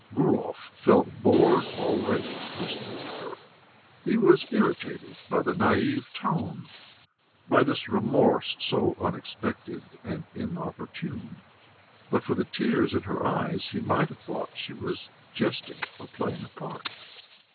Gurov felt bored already, listening to her. He was irritated by the naïve tone, by this remorse, so unexpected and inopportune; but for the tears in her eyes, he might have thought she was jesting or playing a part.